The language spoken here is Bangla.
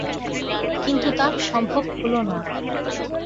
কিন্তু তা সম্ভব হলো না।